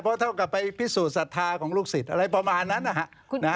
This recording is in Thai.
เพราะเท่ากับไปพิสูจนศรัทธาของลูกศิษย์อะไรประมาณนั้นนะฮะ